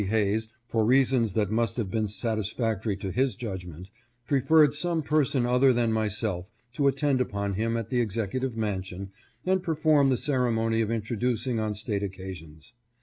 Hayes, for reasons that must have been satisfactory to his judgment, preferred some person other than myself to attend upon him at the Executive Man sion and perform the ceremony of introducing on state occasions.